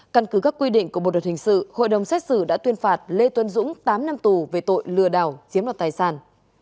căn cứ các quy định của bộ đội hình sự hội đồng xét xử đã tuyên phạt lê tuấn dũng tám năm tù về tội lừa đảo chiếm đoạt tài sản